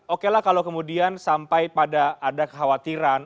oke lah kalau kemudian sampai pada ada kekhawatiran